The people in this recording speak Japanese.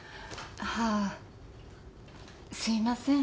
はあすいません。